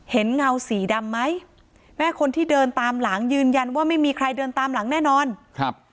เงาสีดำไหมแม่คนที่เดินตามหลังยืนยันว่าไม่มีใครเดินตามหลังแน่นอนครับ